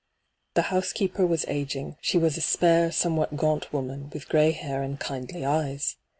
The housekeeper was aging ; she was a spare, somewhat gaunt woman, with gray hair and kindly eyes.